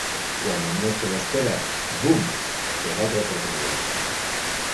cuando menos te lo esperas, boom , te da otra oportunidad.